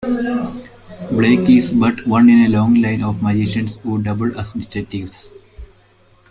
Blake is but one in a long line of magicians who double as detectives.